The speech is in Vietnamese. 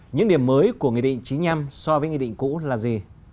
những điểm mới của nghị định chín mươi năm so với nghị định cũ là gì